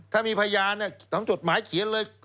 ถ้ามีพยานทำจดหมายเขียนเลย